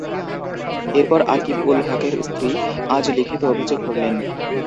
এরপর আকিব উল হকের স্ত্রী আজ লিখিত অভিযোগ করলেন।